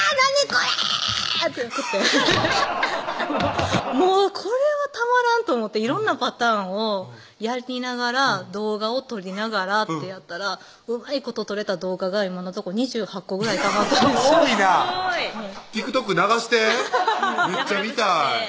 これ！」って言っててもうこれはたまらんと思って色んなパターンをやりながら動画を撮りながらってやったらうまいこと撮れた動画が今のとこ２８個ぐらいたまったんです多いなＴｉｋＴｏｋ流してめっちゃ見たい「＃